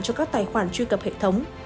cho các tài khoản truy cập hệ thống